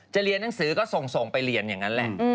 เรียนหนังสือก็ส่งไปเรียนอย่างนั้นแหละ